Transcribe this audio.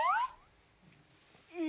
え！？